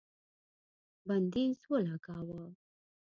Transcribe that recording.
بندیز ولګاوه